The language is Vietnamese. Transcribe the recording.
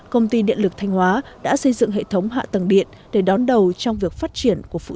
công ty điện lực thanh hóa đã xây dựng hệ thống hạ tầng điện để đón đầu trong việc phát triển của phụ